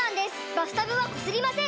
バスタブはこすりません！